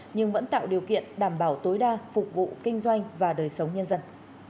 nhưng vẫn tạo điều kiện đảm bảo tối đa phục vụ kinh doanh và đời sống nhân dân